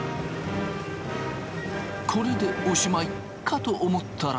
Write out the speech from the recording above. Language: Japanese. これでおしまいかと思ったら？